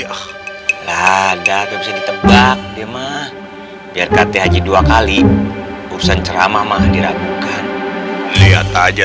enggak ada bisa ditebak dia mah biar kakek haji dua kali urusan ceramah mah diragukan lihat aja